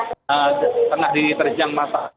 terlebih beberapa waktu lalu kita mengetahui sepak bola kita